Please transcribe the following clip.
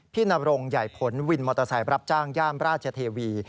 นรงใหญ่ผลวินมอเตอร์ไซค์รับจ้างย่านราชเทวี